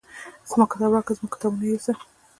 زما کتاب راکړه زموږ کتابونه یوسه.